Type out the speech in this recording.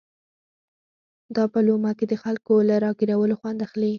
دا په لومه کې د خلکو له را ګيرولو خوند اخلي.